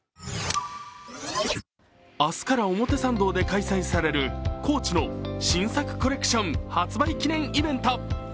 明日から表参道で開催されるＣＯＡＣＨの新作コレクション発売記念イベント。